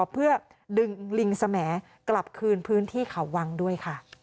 เพื่อดึงลิงสมกลับคืนพื้นที่เขาวังด้วยค่ะ